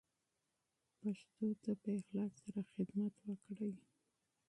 پښتو ته په اخلاص سره خدمت وکړئ.